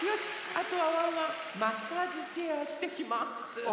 あとはワンワンマッサージチェアしてきます。